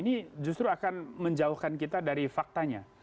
ini justru akan menjauhkan kita dari faktanya